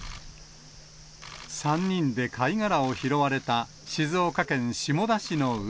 ３人で貝殻を拾われた静岡県下田市の海。